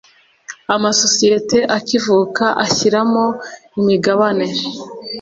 amasosiyeti akivuka ashyiramo imigabane